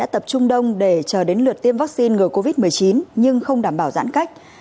tập trung đông để chờ đến lượt tiêm vaccine ngừa covid một mươi chín nhưng không đảm bảo giãn cách